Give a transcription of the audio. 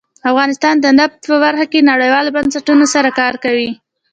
افغانستان د نفت په برخه کې نړیوالو بنسټونو سره کار کوي.